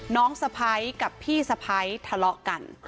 สะพ้ายกับพี่สะพ้ายทะเลาะกัน